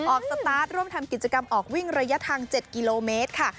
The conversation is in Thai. สตาร์ทร่วมทำกิจกรรมออกวิ่งระยะทาง๗กิโลเมตรค่ะ